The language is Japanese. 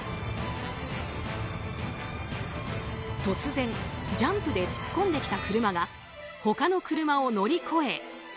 突然、ジャンプで突っ込んできた車が他の車を乗り越え。